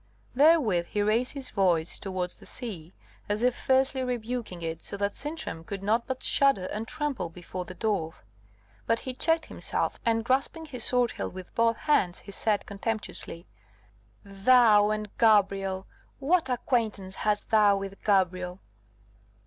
Therewith he raised his voice towards the sea, as if fiercely rebuking it, so that Sintram could not but shudder and tremble before the dwarf. But he checked himself, and grasping his sword hilt with both hands, he said, contemptuously: "Thou and Gabrielle! what acquaintance hast thou with Gabrielle?"